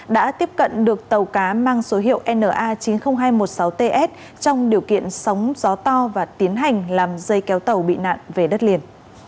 đã tiếp cận được tàu cá mang số hiệu na chín mươi nghìn hai trăm một mươi sáu ts trong điều kiện sóng gió to và tiến hành làm dây kéo tàu bị nạn về đất liền